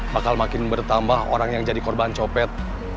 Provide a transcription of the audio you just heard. bakal makin bertambah orang yang jadi korban copet